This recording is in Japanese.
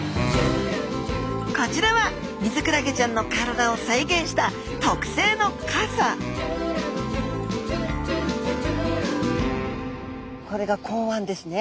こちらはミズクラゲちゃんの体を再現した特製のカサ口腕ですね。